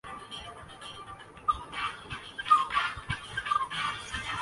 امریکہ بدستور معیشت اور سیاست میں عالمی قائد ہے۔